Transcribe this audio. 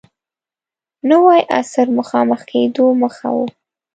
نوي عصر مخامخ کېدو مخه و.